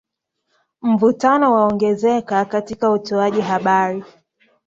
Mvutano waongezeka katika utoaji habari